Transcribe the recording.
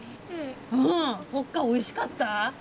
そっか、おいしかった？